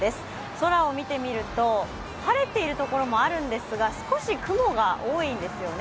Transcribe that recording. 空を見てみると、晴れている所もあるんですが、少し雲が多いんですよね。